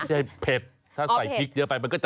แล้วเป็ดมั้ยคะเป็ดมันเป็ดมั้ยคะ